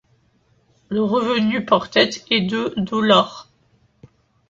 Le revenu par tête est de $.